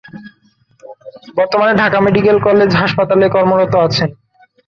বর্তমানে Dhaka medical college হাসপাতালে কর্মরত আছেন।